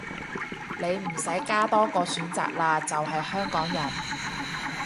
你唔使加多個選項喇，就係香港人